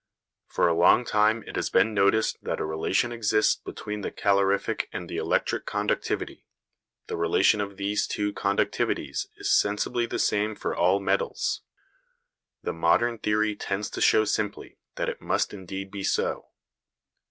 For a long time it has been noticed that a relation exists between the calorific and the electric conductivity; the relation of these two conductivities is sensibly the same for all metals. The modern theory tends to show simply that it must indeed be so.